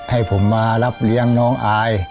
ให้ผมมารับเลี้ยงน้องอาย